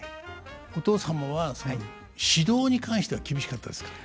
お父様は指導に関しては厳しかったですか？